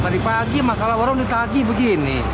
tadi pagi makanan orang ditagi begini